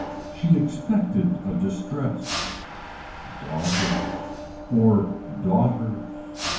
She expected a distress. Daughters. Or daughters.